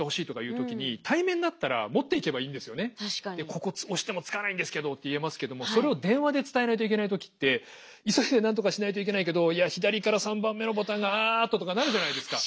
ここ押してもつかないんですけどって言えますけどもそれを電話で伝えないといけない時って急いでなんとかしないといけないけどいや左から３番目のボタンがあっと！とかなるじゃないですか？